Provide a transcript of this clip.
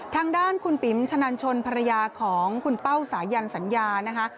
ทางด้านคุณปิ๋มชะนันชนภรรยาของคุณเป้าสายันสัญญานะคะ